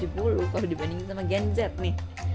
kalau dibandingin sama gen z nih